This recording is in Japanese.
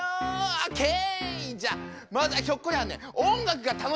オッケー！